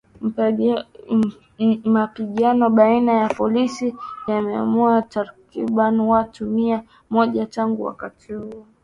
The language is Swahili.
Mapigano baina ya polisi yameuwa takriban watu mia mmoja tangu wakati huo